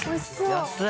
安い！